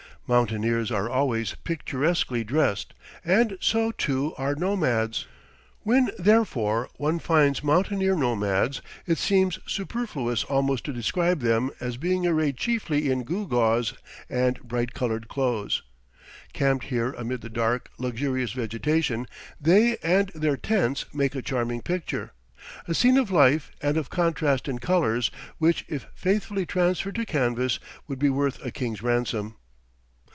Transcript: Mountaineers are always picturesquely dressed, and so, too, are nomads. When, therefore, one finds mountaineer nomads, it seems superfluous almost to describe them as being arrayed chiefly in gewgaws and bright colored clothes. Camped here amid the dark, luxurious vegetation, they and their tents make a charming picture a scene of life and of contrast in colors which if faithfully transferred to canvas would be worth a king's ransom.